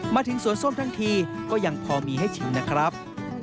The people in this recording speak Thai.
มาถึงสวนส้มทั้งทีก็ยังพอมีให้ชิมนะครับ